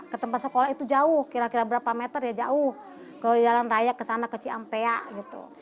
ketempat sekolah itu jauh kira kira berapa meter ya jauh ke jalan raya kesana ke ciampea gitu